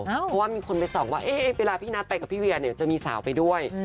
เพราะว่ามีคนไปส่องว่าเวลาพี่นัทไปกับพี่เวียเนี่ยจะมีสาวไปด้วย